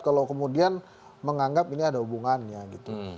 kalau kemudian menganggap ini ada hubungannya gitu